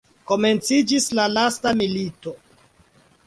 Komenciĝis la lasta milito.